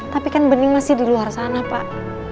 tapi kan bening masih di luar sana pak